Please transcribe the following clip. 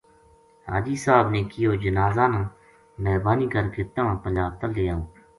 حاجی صاحب نے کہیو جنازا نا مہربانی کر کے تنہاں پنجاب تا لے آؤں